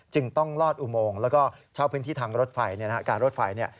จึงต้องลอดอุโมงและเช่าพื้นที่ทางรถไฟ